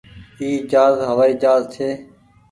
اي جهآز هوآئي جهآز ڇي۔